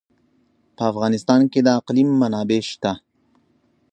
په افغانستان کې د اقلیم منابع شته.